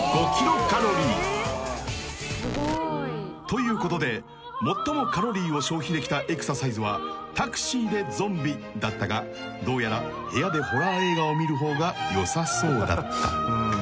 ［ということで最もカロリーを消費できたエクササイズは「タクシーでゾンビ」だったがどうやら部屋でホラー映画を見る方がよさそうだった］